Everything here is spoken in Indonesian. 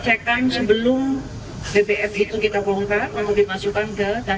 lalu dimasukkan ke tangki timbun